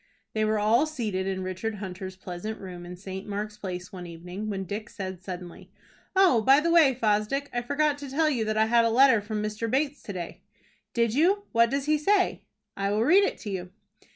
They were all seated in Richard Hunter's pleasant room in St. Mark's Place one evening, when Dick said suddenly: "Oh, by the way, Fosdick, I forgot to tell you that I had a letter from Mr. Bates to day." "Did you? What does he say?" "I will read it to you."